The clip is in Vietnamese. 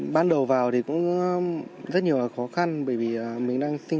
ban đầu vào thì cũng rất nhiều khó khăn nhưng mà em đã trở thành một chiến sĩ công an nhân dân